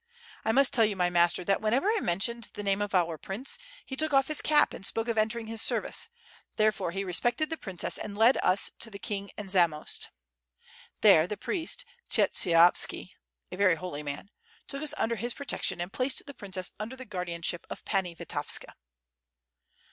I must tell you, my master, that whenever I mentioned the name of our prince, he took off his cap and spoke of entering his service, therefore he respected the princess and led us to the king in Zamost. There, the priest Tsietsishovski (a very holy man) took us under his protection and placed the princess under the guard ianship of Pani Vitovska."